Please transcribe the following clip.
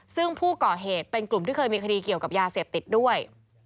ซึ่งผู้ก่อเหตุเป็นกลุ่มที่เคยมีคดีเกี่ยวกับยาเสพติดด้วย